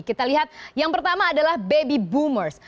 kita lihat yang pertama adalah baby boomers